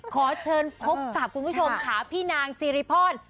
ขอเชิญพบกับคุณผู้ชมค่ะพี่นางซีริพร